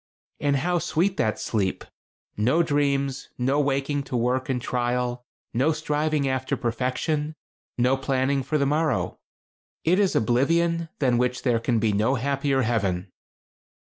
"And how sweet that sleep! No dreams; no waking to work and trial; no striving after perfection; no planning for the morrow. It is oblivion than which there can be no happier heaven."